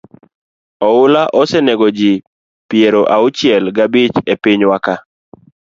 Oula osenego ji piero auchiel gabich e pinywa ka.